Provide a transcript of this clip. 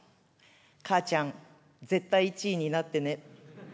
母ちゃん、絶対１位になってね。